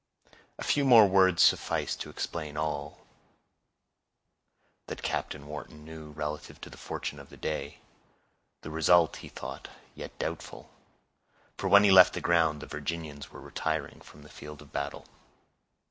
A few more words sufficed to explain all that Captain Wharton knew relative to the fortune of the day. The result he thought yet doubtful, for when he left the ground, the Virginians were retiring from the field of battle.